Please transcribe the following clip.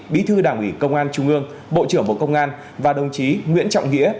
bí thư đảng ủy công an trung ương bộ trưởng bộ công an và đồng chí nguyễn trọng nghĩa